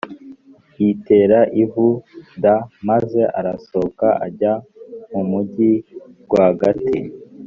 yitera ivu d maze arasohoka ajya mu mugi rwagati